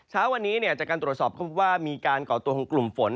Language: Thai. เช้าวันนี้จากการตรวจสอบพบว่ามีการก่อตัวของกลุ่มฝน